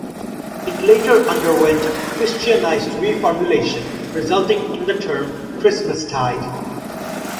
It later underwent Christianised reformulation resulting in the term Christmastide.